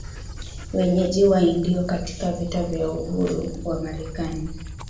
wenyeji Waindio Katika vita ya uhuru wa Marekani